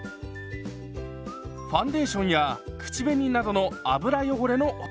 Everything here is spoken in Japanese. ファンデーションや口紅などの油汚れの落とし方です。